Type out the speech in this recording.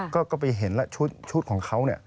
ก็ไปเห็นแล้วชุดของเขา